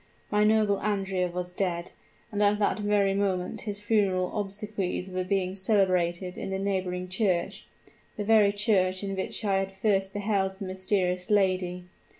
My noble Andrea was dead, and at that very moment his funeral obsequies were being celebrated in the neighboring church the very church in which I had first beheld the mysterious lady!